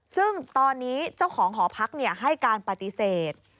ซึ่งตอนนี้เจ้าของหอพักให้การปฏิเสธ